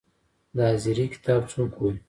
د حاضري کتاب څوک ګوري؟